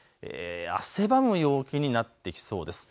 汗ばむ陽気になってきそうです。